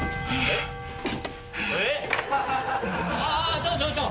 ちょちょちょ